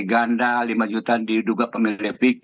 ganda lima juta di juga pemilik